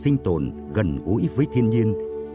sinh tồn gần gũi với thiên nhiên